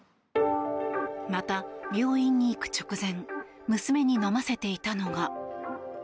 また、病院に行く直前娘に飲ませいていたのが。